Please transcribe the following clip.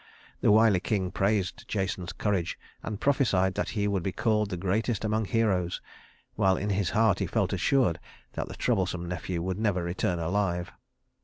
The wily king praised Jason's courage, and prophesied that he would be called the greatest among heroes, while in his heart he felt assured that the troublesome nephew would never return alive.